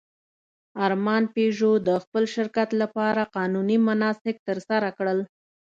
ارمان پيژو د خپل شرکت لپاره قانوني مناسک ترسره کړل.